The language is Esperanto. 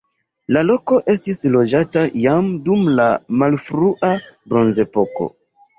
La loko estis loĝata jam dum la malfrua bronzepoko.